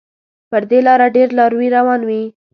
پر دې لاره ډېر لاروي روان وي.